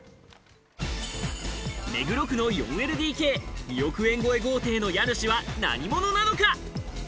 目黒区の４ＬＤＫ、２億円超え豪邸の家主は何者なのか。